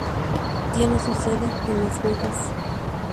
Tiene su sede en Las Vegas.